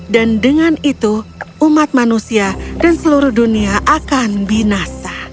dan dengan itu umat manusia dan seluruh dunia akan binasa